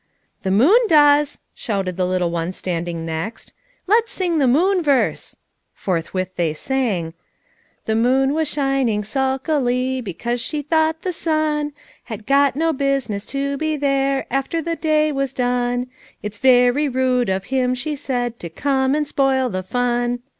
"The moon does," shouted the little one standing next. "Let's sing the moon verse." Forthwith they sang: " 'The moon was shining sulkily Because she thought the sun 272 FOUR MOTHERS AT CHAUTAUQUA Had got no business to be there After the day was done — "It's very rude of him," she said, "To come and spoil the fun!"